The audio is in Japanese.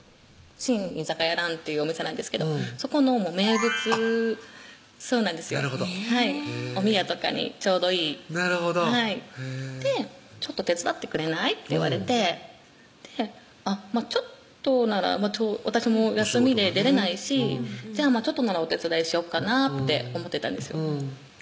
真居酒屋魁っていうお店なんですけどそこの名物なるほどおみやとかにちょうどいいなるほど「ちょっと手伝ってくれない？」と言われてちょっとなら私も休みで出れないしちょっとならお手伝いしようかなって思ってたんですよ